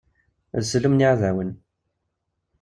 D sellum n yiɛdawen.